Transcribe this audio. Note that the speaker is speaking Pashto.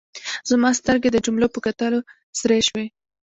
زما سترګې د جملو په کتلو سرې شوې.